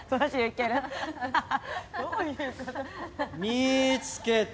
・見つけた。